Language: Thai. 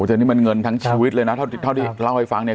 อันนี้มันเงินทั้งชีวิตเลยน่ะครับครับเท่าที่เล่าให้ฟังเนี้ย